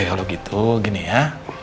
kalau gitu gini ya